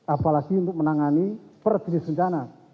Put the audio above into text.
apalagi untuk menangani per jenis bencana